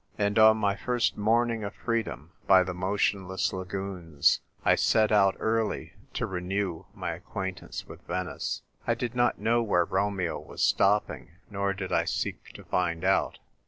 And on my first morning of freedom by the motionless lagoons, I set out early to renew my acquain tance with Venice. 1 did not know where Romeo was stopping; nor did I seek to find out.